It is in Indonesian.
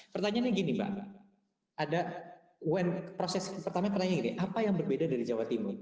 pertanyaannya gini mbak ada proses pertama pertanyaannya gini apa yang berbeda dari jawa timur